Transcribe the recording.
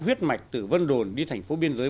huyết mạch từ vân đồn đi thành phố biên giới